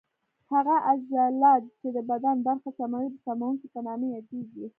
هغه عضله چې د بدن برخه سموي د سموونکې په نامه یادېږي.